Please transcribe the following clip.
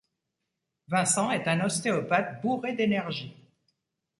Vincent est un ostéopathe bourré d'énergie.